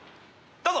どうぞ！